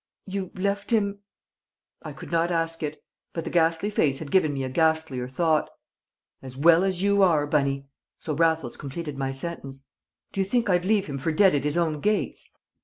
"You left him " I could not ask it. But the ghastly face had given me a ghastlier thought. "As well as you are, Bunny!" so Raffles completed my sentence. "Do you think I'd leave him for dead at his own gates?"